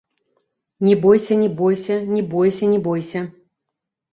Не бойся, не бойся, не бойся, не бойся.